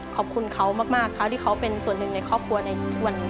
ขอบคุณเขามากเขาที่เขาเป็นส่วนหนึ่งในครอบครัวในทุกวันนี้